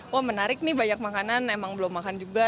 wah menarik nih banyak makanan emang belum makan juga